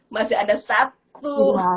masih ada satu